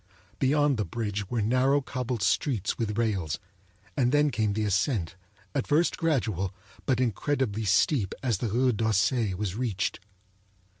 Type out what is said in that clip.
Beyond the bridge were narrow cobbled streets with rails; and then came the ascent, at first gradual, but incredibly steep as the Rue d'Auseil was reached.